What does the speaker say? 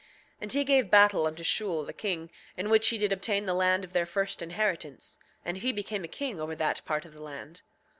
7:16 And he gave battle unto Shule the king, in which he did obtain the land of their first inheritance; and he became a king over that part of the land.